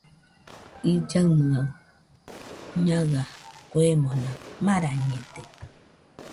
Illaɨnɨaɨ ñaɨa kuemona marañede.